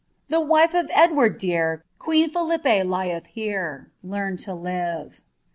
The wife of Edward dear, Queen Philippe lieth here. Learn lo lire."